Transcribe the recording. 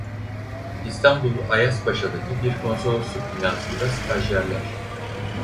İstanbul Ayaspaşa'daki bir konsolosluk binasında stajyerler.